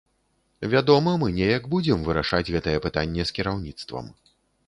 Вядома, мы неяк будзем вырашаць гэтае пытанне з кіраўніцтвам.